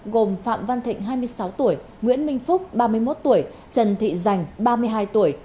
gồm phạm văn thịnh hai mươi sáu tuổi nguyễn minh phúc ba mươi một tuổi trần thị dành ba mươi hai tuổi